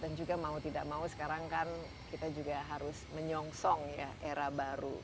dan juga mau tidak mau sekarang kan kita juga harus menyongsong era baru